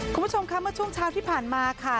คุณผู้ชมค่ะเมื่อช่วงเช้าที่ผ่านมาค่ะ